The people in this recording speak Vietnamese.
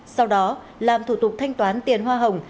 sau đó làm thủ tục thanh toán tiền hoa hồng